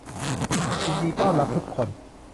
ยินดีต้อนรับทุกคน